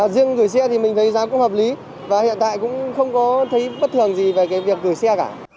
riêng gửi xe thì mình thấy giá cũng hợp lý và hiện tại cũng không có thấy bất thường gì về cái việc gửi xe cả